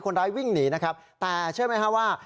คนร้ายวิ่งหนีนะครับแต่เชื่อไหมฮะว่า